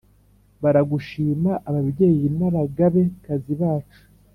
baragushima ababyeyi n'abagabe-kazi bacu